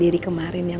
ini hermit kanan